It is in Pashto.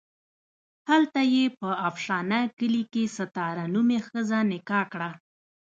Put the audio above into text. هلته یې په افشنه کلي کې ستاره نومې ښځه نکاح کړه.